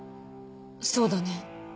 そうだね。